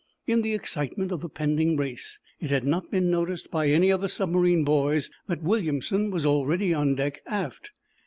In the excitement of the pending race it had not been noticed by any of the submarine boys that Williamson was already on deck, aft.